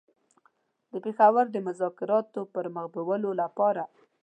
د پېښور د مذاکراتو د پر مخ بېولو لپاره.